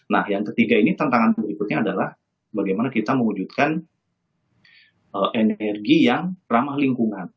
nah yang ketiga ini tantangan berikutnya adalah bagaimana kita mewujudkan energi yang ramah lingkungan